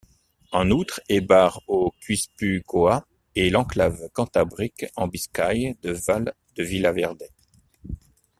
En outre Eibar au Guipuscoa et l'enclave cantabrique en Biscaye de Valle de Villaverde.